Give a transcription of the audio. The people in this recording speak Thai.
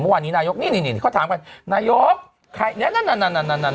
เมื่อวันนี้นายุคนี่นี่นี่นี่นี่เขาถามกันนายุคใครนั่นนั่น